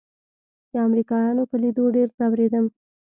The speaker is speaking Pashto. د امريکايانو په ليدو ډېر ځورېدم.